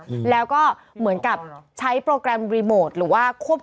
อืมแล้วก็เหมือนกับใช้โปรแกรมโรมอธหรือว่าควบคุมเครื่องเราอ่ะจากที่อื่น